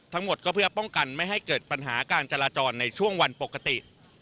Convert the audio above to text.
ทั้งหมดก็เพื่อป้องกันไม่ให้เกิดปัญหาการจราจรในช่วงวันปกติ